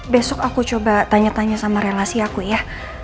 besok aku coba tanya tanya sama relasi aku ya